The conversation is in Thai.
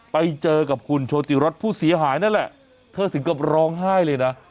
ไปเจอกับคุณโชติรสผู้เสียหายนั่นแหละเธอถึงกับร้องไห้เลยนะ